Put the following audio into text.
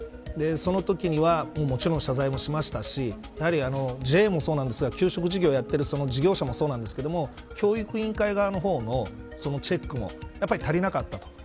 そのときにはもちろん謝罪もしましたしやはり、ＪＡもそうなんですが給食事業をやっている事業者もそうなんですが教育委員会側のチェックも足りなかったと。